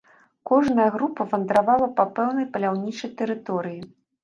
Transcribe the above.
Кожная група вандравала па пэўнай паляўнічай тэрыторыі.